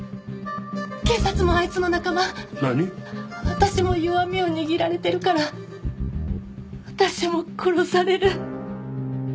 私も弱みを握られてるから私も殺される！